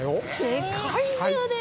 せかいじゅうで？